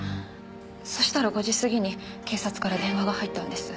そうしたら５時過ぎに警察から電話が入ったんです。